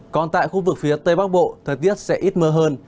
còn tại khu vực phía tây bắc bộ thời tiết sẽ ít mưa hơn